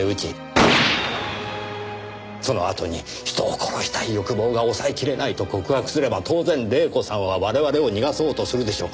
そのあとに人を殺したい欲望が抑えきれないと告白すれば当然黎子さんは我々を逃がそうとするでしょう。